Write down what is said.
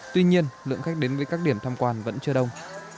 tuy nhiên lượng khách đến với các điểm tham quan vẫn chưa đông